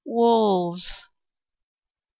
"Wolves."